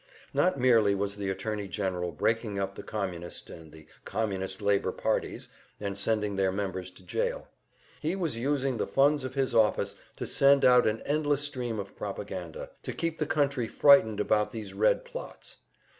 Not merely was the Attorney General breaking up the Communist and the Communist Labor parties and sending their members to jail; he was using the funds of his office to send out an endless stream of propaganda, to keep the country frightened about these Red plots.